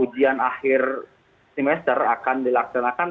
ujian akhir semester akan dilaksanakan